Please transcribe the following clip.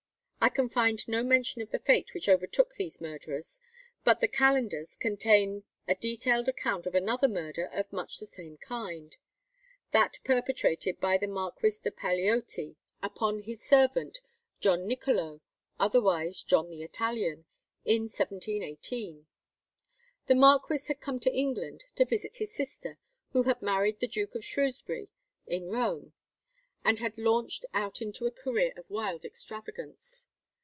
I can find no mention of the fate which overtook these murderers; but the "Calendars" contain a detailed account of another murder of much the same kind; that perpetrated by the Marquis de Paleoti upon his servant, John Niccolo, otherwise John the Italian, in 1718. The marquis had come to England to visit his sister, who had married the Duke of Shrewsbury in Rome, and had launched out into a career of wild extravagance.